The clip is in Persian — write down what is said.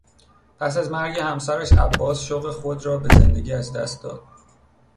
پس از مرگ همسرش، عباس شوق خود را به زندگی از دست داد.